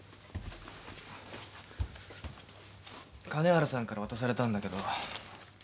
金原さんから渡されたんだけど。